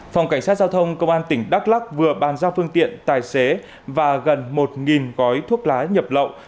phòng cảnh sát giao thông công an tỉnh đắk lắc vừa bàn giao phương tiện tài xế và gần một gói thuốc lá nhập lậu